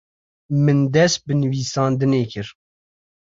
Min dest bi nivîsandinê kir.